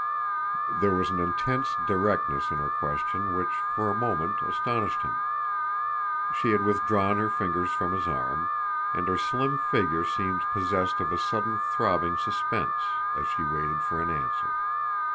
There was an intense directness in her question which for a moment astonished him. She had withdrawn her fingers from his arm, and her slim figure seemed possessed of a sudden throbbing suspense as she waited for an answer.